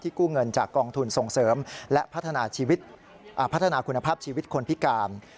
กู้เงินจากกองทุนส่งเสริมและพัฒนาคุณภาพชีวิตคนพิการ